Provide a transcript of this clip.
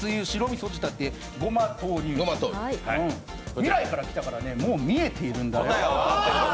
未来から来たからね、もう見えているんだよ。